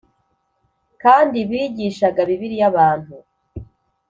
kandi bigishaga Bibiliya abantu